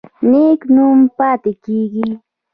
نیک نوم پاتې کیږي